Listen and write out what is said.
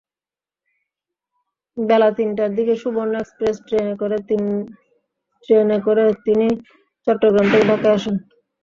বেলা তিনটার দিকে সুবর্ণ এক্সপ্রেস ট্রেনে করে তিনি চট্টগ্রাম থেকে ঢাকায় আসেন।